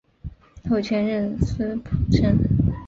后迁任司仆丞。